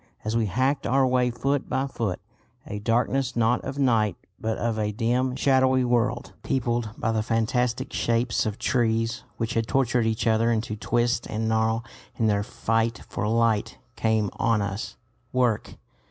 As we hacked our way foot by foot, a darkness not of night but of a dim, shadowy world, peopled by the fantastic shapes of trees, which had tortured each other into twist and gnarl in their fight for light, came on us. Work!